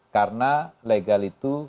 karena legal itu